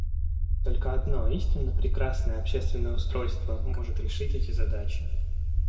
Только одно истинно прекрасное общественное устройство может решить эти задачи.